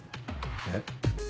えっ？